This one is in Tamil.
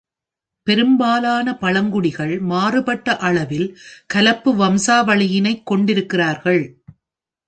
பெரும்பாலான பழங்குடிகள் மாறுபட்ட அளவில் கலப்பு வம்சாவளியினைக் கொண்டிருக்கிறார்கள்.